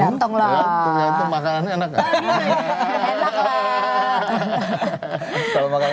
dateng dateng makanan enak gak